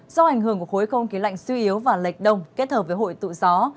do ảnh hưởng của khối không khí lạnh suy yếu và lệch đông kết hợp với hội tụ gió